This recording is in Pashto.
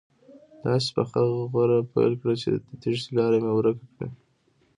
داسې پخه غوره پیل کړي چې د تېښتې لاره مې ورکه کړي.